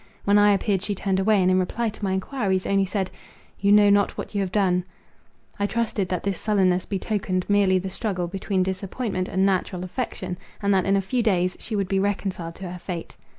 When I appeared, she turned away, and in reply to my enquiries, only said, "You know not what you have done!"—I trusted that this sullenness betokened merely the struggle between disappointment and natural affection, and that in a few days she would be reconciled to her fate.